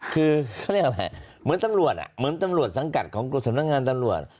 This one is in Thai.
คือเขาเรียกอะไรเหมือนตำรวจเหมือนตำรวจสังกัดของกรมสำนักงานตำรวจ